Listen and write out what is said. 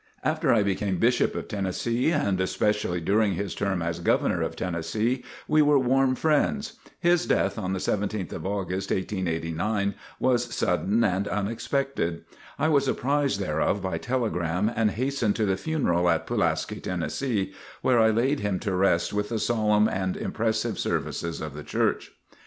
After I became Bishop of Tennessee and especially during his term as Governor of Tennessee, we were warm friends. His death on the 17th of August, 1889, was sudden and unexpected. I was apprised thereof by telegram and hastened to the funeral at Pulaski, Tennessee, where I laid him to rest with the solemn and impressive services of the Church.